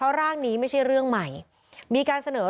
ทางคุณชัยธวัดก็บอกว่าการยื่นเรื่องแก้ไขมาตรวจสองเจน